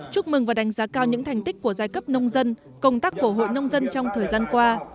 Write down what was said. chúc mừng và đánh giá cao những thành tích của giai cấp nông dân công tác phổ hội nông dân trong thời gian qua